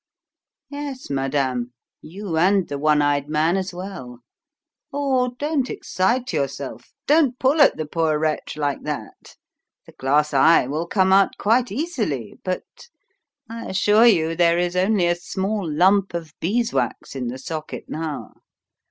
"Yes, madame; you and the one eyed man as well! Oh, don't excite yourself don't pull at the poor wretch like that. The glass eye will come out quite easily, but I assure you there is only a small lump of beeswax in the socket now.